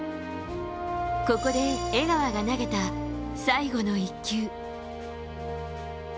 ここで江川が投げた最後の１球。